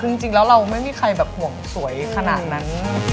คือจริงแล้วเราไม่มีใครแบบห่วงสวยขนาดนั้น